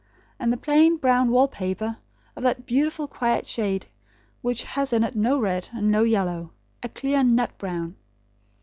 And the plain brown wall paper, of that beautiful quiet shade which has in it no red, and no yellow; a clear nut brown.